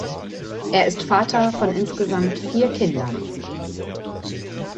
Er ist Vater von insgesamt vier Kindern.